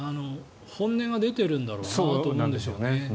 本音が出ているんだろうなと思うんですよね。